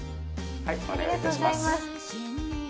ありがとうございます。